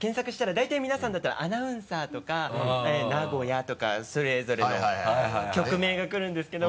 大体皆さんだったら「アナウンサー」とか「名古屋」とかそれぞれの局名がくるんですけど。